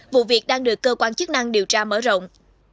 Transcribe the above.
vụ việc đang được cơ quan chức năng điều tra mở rộng